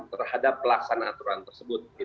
terhadap pelaksanaan aturan tersebut